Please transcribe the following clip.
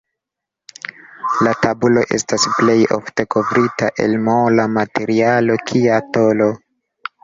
La tabulo estas plej ofte kovrita el mola materialo kia tolo.